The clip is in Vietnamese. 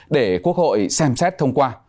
để quốc hội xem xét thông qua